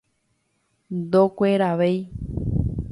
Ndokueravéi.